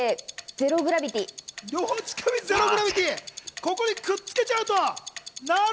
ここにくっつけちゃうと。